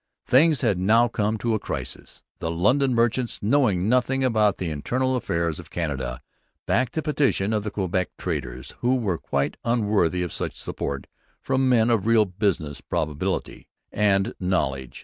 Things had now come to a crisis. The London merchants, knowing nothing about the internal affairs of Canada, backed the petition of the Quebec traders, who were quite unworthy of such support from men of real business probity and knowledge.